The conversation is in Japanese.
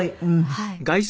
はい。